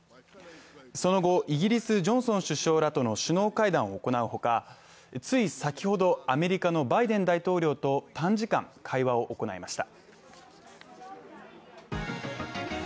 その後、イギリス・ジョンソン首相らとの首脳会談を行うほかつい先ほど、アメリカのバイデン大統領と短時間会話を行いました。